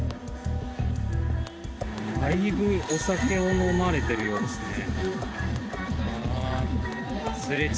だいぶお酒を飲まれているようですね。